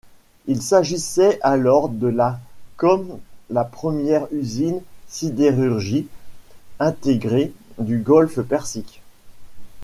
Il s'agissait alors de la comme la première usine sidérurgique intégrée du Golfe Persique.